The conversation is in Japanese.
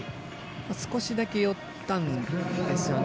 少しだけよったんですね。